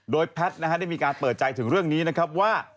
โดยแพทย์ได้มีการเปิดใจถึงเรื่องนี้นะครับว่า